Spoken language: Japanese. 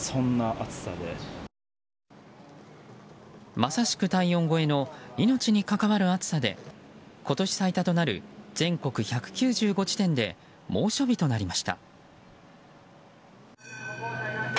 まさしく体温超えの命に関わる暑さで今年最多となる全国１９５地点で猛暑日となりました。